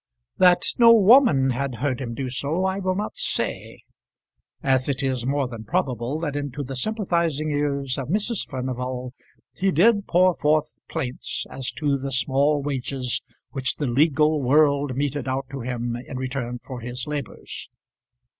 That no woman had heard him do so, I will not say; as it is more than probable that into the sympathising ears of Mrs. Furnival he did pour forth plaints as to the small wages which the legal world meted out to him in return for his labours.